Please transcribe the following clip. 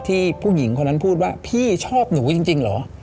ผู้หญิงคนนั้นพูดว่าพี่ชอบหนูจริงเหรอ